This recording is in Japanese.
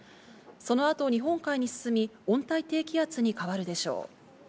そのあと日本海に進み、温帯低気圧に変わるでしょう。